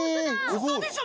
うそでしょ！